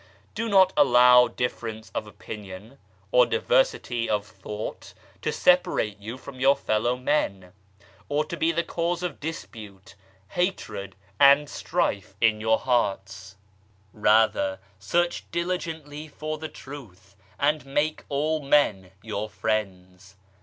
Do not allow difference of opinion, or diversity of thought to separate you from your fellow men, or to be the cause of dispute, hatred and strife in your hearts. 48 THE COMING OF CHRIST Rather, search diligently for the Truth and' make all men your friends.